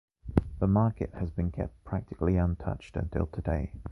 The market has been kept practically untouched until today.